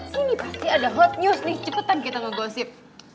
sini pasti ada hot news nih cepetan kita ngegosip